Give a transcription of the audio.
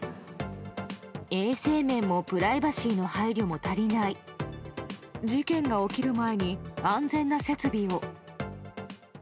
衛生面もプライバシーの配慮事件が起きる前に安全な設備を。